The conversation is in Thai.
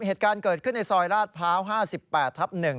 เหตุการณ์เกิดขึ้นในซอยราชพร้าว๕๘ทับ๑